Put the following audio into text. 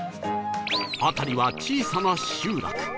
辺りは小さな集落